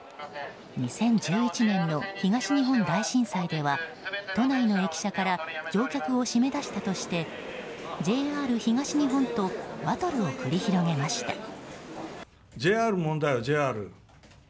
２０１１年の東日本大震災では都内の駅舎から乗客を締め出したとしてＪＲ東日本とバトルを繰り広げました。